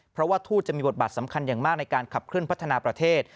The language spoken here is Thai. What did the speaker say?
เพราะว่าทูตจะมีบทบาทสำคัญอย่างมากในการขับเคลื่อพัฒนาประเทศ